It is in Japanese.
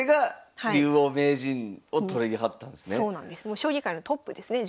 もう将棋界のトップですね。